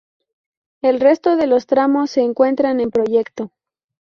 El resto de los tramos se encuentran en proyecto.